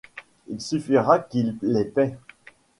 Il suffira qu’il les paie.